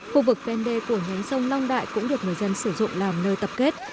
khu vực ven đê của nhánh sông long đại cũng được người dân sử dụng làm nơi tập kết